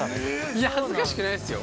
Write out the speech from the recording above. ◆いや、恥ずかしくないっすよ。